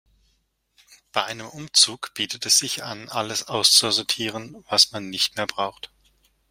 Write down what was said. Bei einem Umzug bietet es sich an, alles auszusortieren, was man nicht mehr braucht.